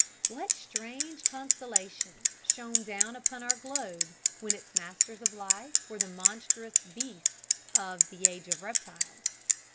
What strange constellations shone down upon our globe when its masters of life were the monstrous beasts of the "Age of Reptiles"?